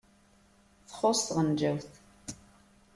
Txuṣṣ tɣenǧawt.